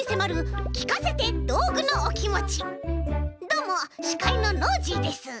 どうもしかいのノージーです。